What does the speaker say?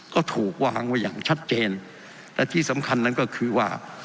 ก็ถูกวางไว้อย่างชัดเจนและที่สำคัญนั้นก็คือว่า